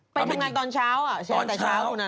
ไปทำงานตอนเช้าใช่ไหมตอนเช้าคุณอนา